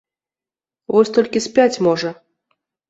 Вось толькі спяць, можа?